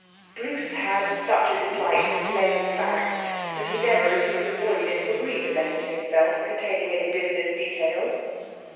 Bruce had such a dislike to plain facts that he never, if he could avoid it, would read a letter to himself containing any business details.